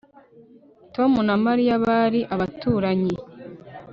Tom na Mariya bari abaturanyi